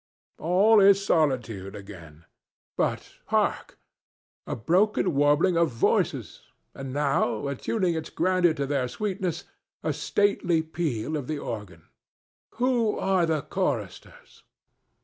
All is solitude again. But hark! A broken warbling of voices, and now, attuning its grandeur to their sweetness, a stately peal of the organ. Who are the choristers?